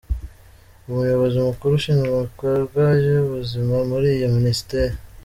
Umuyobozi mukuru ushinzwe ibikorwa by’ubuzima muri iyo Minisiteri,